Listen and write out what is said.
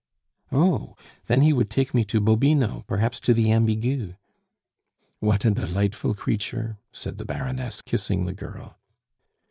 "On! then he would take me to Bobino, perhaps to the Ambigu." "What a delightful creature!" said the Baroness, kissing the girl.